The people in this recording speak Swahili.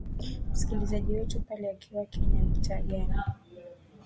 msikilizaji wetu pale ukiwa kenya mitaa gani ha